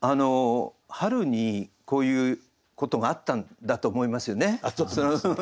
春にこういうことがあったんだと思いますよね。